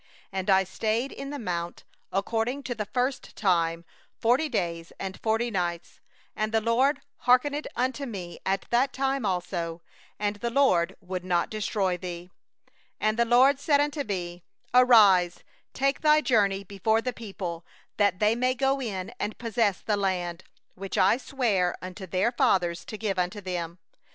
—10Now I stayed in the mount, as at the first time, forty days and forty nights; and the LORD hearkened unto me that time also; the LORD would not destroy thee. 11And the LORD said unto me: 'Arise, go before the people, causing them to set forward, that they may go in and possess the land, which I swore unto their fathers to give unto them.